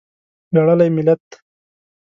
ویاړلی ملت.